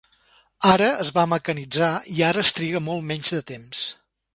Ara es va mecanitzar i ara es triga molt menys de temps.